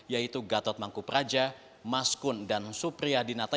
yaitu gatot mangku praja maskun dan supriya dinata